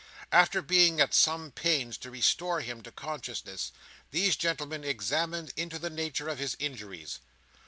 After being at some pains to restore him to consciousness, these gentlemen examined into the nature of his injuries.